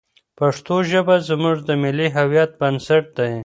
پښتو ژبه زموږ د ملي هویت بنسټ دی.